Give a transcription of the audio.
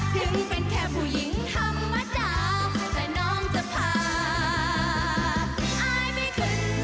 ถึงเป็นแค่ผู้หญิงธรรมดาแต่น้องจะพาอายไปขึ้นสวรรค์